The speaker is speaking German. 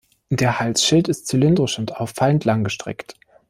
Der Halsschild ist zylindrisch und auffallend langgestreckt.